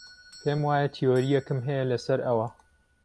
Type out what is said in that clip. پێم وایە تیۆرییەکم هەیە لەسەر ئەوە.